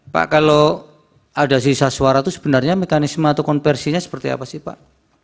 pak kalau ada sisa suara itu sebenarnya mekanisme atau konversinya seperti apa sih pak